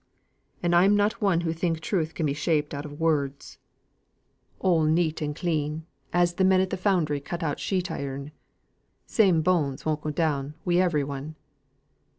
And I'm not one who think truth can be shaped out in words, all neat and clean, as th' men at th' foundry cut out sheet iron. Same bones won't go down wi' every one.